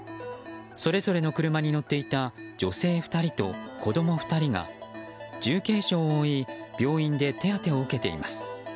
それぞれの車に乗っていた女性２人と子供２人が重軽傷を負い病院で手当てを受けています。